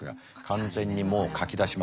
完全にもう書きだしました。